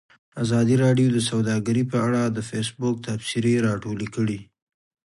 ازادي راډیو د سوداګري په اړه د فیسبوک تبصرې راټولې کړي.